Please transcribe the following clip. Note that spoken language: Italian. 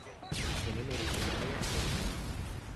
Il suo nome originale è Brock.